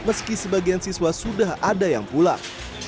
meski sebagian siswa sudah ada yang pulang